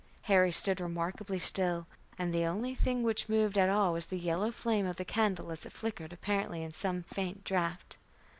Harry stood remarkably still, and the only thing which moved at all was the yellow flame of the candle as it flickered apparently in some faint draught.